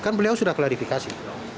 kan beliau sudah klarifikasi